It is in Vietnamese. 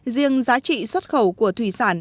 riêng giá trị xuất khẩu của thủy sản